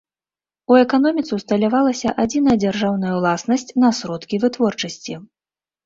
У эканоміцы ўсталявалася адзіная дзяржаўная ўласнасць на сродкі вытворчасці.